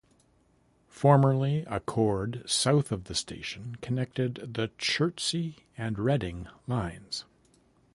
Formerly a chord south of the station connected the Chertsey and Reading lines.